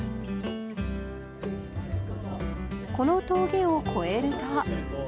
この峠を越えると。